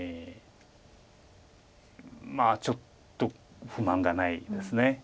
ちょっと不満がないです。